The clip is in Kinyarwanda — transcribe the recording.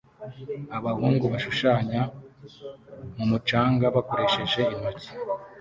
Abahungu bashushanya mumucanga bakoresheje inkoni